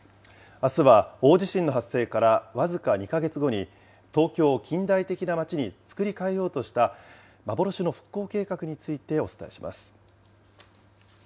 あすは大地震の発生から僅か２か月後に、東京を近代的な街に作り変えようとした、幻の復興計画についてお伝えします。